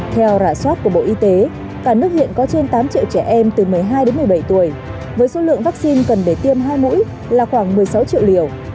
theo rạ soát của bộ y tế cả nước hiện có trên tám triệu trẻ em từ một mươi hai đến một mươi bảy tuổi với số lượng vaccine cần để tiêm hai mũi là khoảng một mươi sáu triệu liều